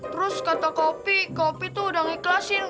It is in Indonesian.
terus kata kak opi kak opi tuh udah ngikhlasin